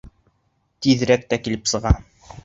Тиҙерәк тә килеп сыға.